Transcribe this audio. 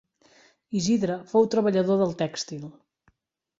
Isidre fou treballador del tèxtil.